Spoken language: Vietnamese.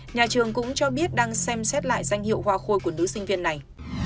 nhà trường cũng cho biết đang xem xét lại danh hiệu hoa khôi của nữ sinh viên này